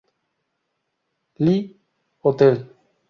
Lee Hotel.